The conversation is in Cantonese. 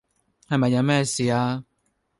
係咪有咩事呀